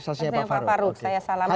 saksinya pak faruk saya salaman